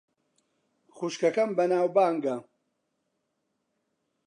خوشکەکەم بەناوبانگە.